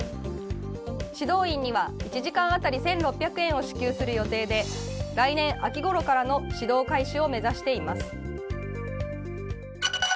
指導員には１時間当たり１６００円を支給する予定で来年秋ごろからの指導開始を目指しています。